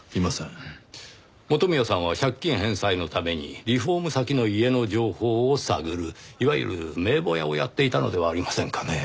元宮さんは借金返済のためにリフォーム先の家の情報を探るいわゆる名簿屋をやっていたのではありませんかね？